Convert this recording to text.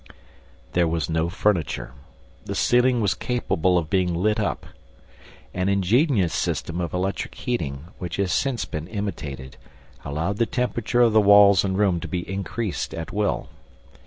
There was no furniture. The ceiling was capable of being lit up. An ingenious system of electric heating, which has since been imitated, allowed the temperature of the walls and room to be increased at will.